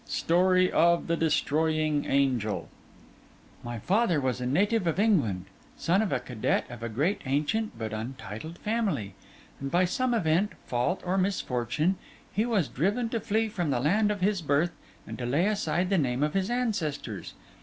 STORY OF THE DESTROYING ANGEL My father was a native of England, son of a cadet of a great, ancient, but untitled family; and by some event, fault or misfortune, he was driven to flee from the land of his birth and to lay aside the name of his ancestors.